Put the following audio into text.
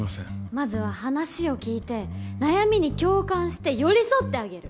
まずは話を聞いて悩みに共感して寄り添ってあげる。